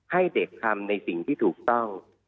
ให้เด็กทำในสิ่งที่ถูกต้อง